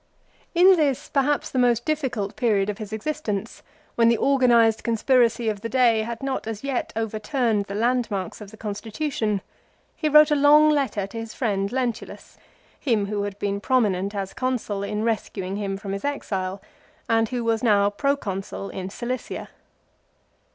In this perhaps the most difficult period of his existence, when the organised conspiracy of the day had not as yet overturned the landmarks of the constitution, he wrote a long letter to his friend Lentulus, 2 him who had been prominent as Consul in rescuing him from his exile, and who was now Proconsul in Cilicia.